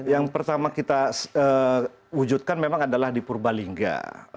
yang pertama kita wujudkan memang adalah di purbalingga